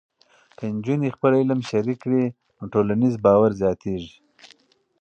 که نجونې خپل علم شریک کړي، نو ټولنیز باور زیاتېږي.